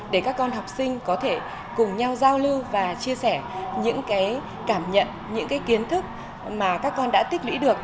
để các con học sinh có thể cùng nhau giao lưu và chia sẻ những cái cảm nhận những kiến thức mà các con đã tích lũy được